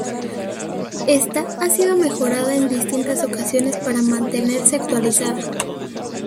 Ésta ha sido mejorada en distintas ocasiones para mantenerse actualizada.